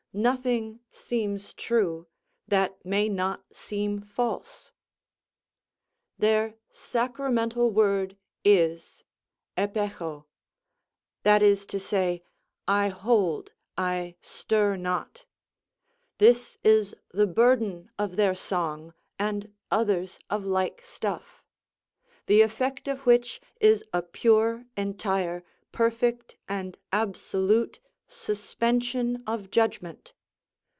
Nothing seems true, that may not seem false." Their sacramental word is that is to say, "I hold, I stir not." This is the burden of their song, and others of like stuff. The effect of which is a pure, entire, perfect, and absolute suspension of judgment.